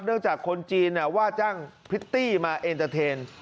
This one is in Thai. จากคนจีนว่าจ้างพริตตี้มาเอ็นเตอร์เทน